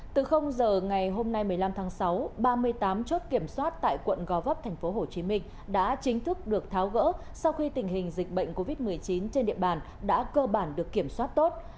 từ giờ ngày hôm nay một mươi năm tháng sáu ba mươi tám chốt kiểm soát tại quận gò vấp tp hcm đã chính thức được tháo gỡ sau khi tình hình dịch bệnh covid một mươi chín trên địa bàn đã cơ bản được kiểm soát tốt